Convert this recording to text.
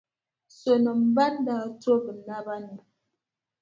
Soonima ban daa to bɛ naba ni.